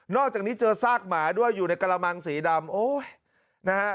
นอกจากนี้เจอซากหมาด้วยอยู่ในกระมังสีดำ